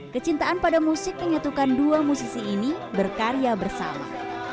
kecintaan pada musik yang menyatukan dua musisi ini berkarya bersama